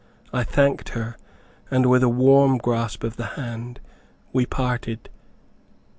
I thanked her, and with a warm grasp of the hand we parted.